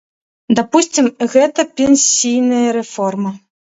Дапусцім, гэта пенсійная рэформа.